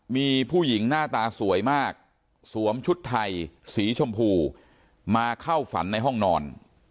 มีผู้หญิงหน้าตาสวยมากสวมชุดไทยสีชมพูมาเข้าฝันในห้องนอน